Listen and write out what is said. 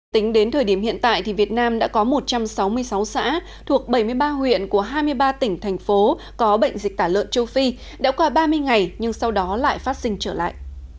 tính đến thời điểm hiện tại thì việt nam đã có một trăm sáu mươi sáu xã thuộc bảy mươi ba huyện của hai mươi ba tỉnh thành phố có bệnh dịch tả lợn châu phi đã qua ba mươi ngày nhưng sau đó lại phát sinh trở lại